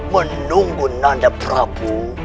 menunggu nanda prabu